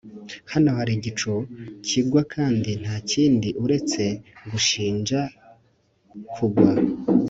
hano hari igicu kigwa kandi ntakindi uretse gushinja kugwa